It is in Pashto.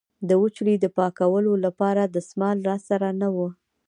د وچولې د پاکولو لپاره دستمال را سره نه و.